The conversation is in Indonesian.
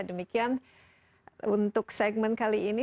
demikian untuk segmen kali ini